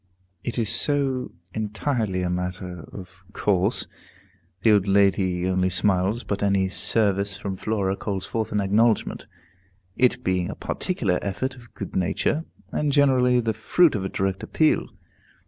It is so entirely a matter of course, the old lady only smiles, but any service from Flora calls forth an acknowledgment; it being a particular effort of good nature, and generally the fruit of a direct appeal.